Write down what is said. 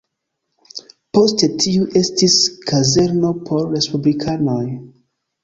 Poste tiu estis kazerno por respublikanoj.